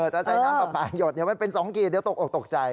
ถ้าใช้น้ำปลาหยดมันเป็นสองกีเดียวตกใจ